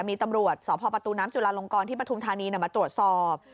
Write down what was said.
มีตำรวจสพประตูน้ำจุลาลงกรที่ปฐุมธานีมาตรวจสอบ